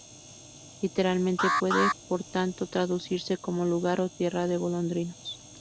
Literalmente puede por tanto traducirse como lugar o tierra de golondrinas.